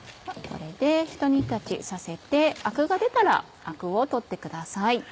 これでひと煮立ちさせてアクが出たらアクを取ってください。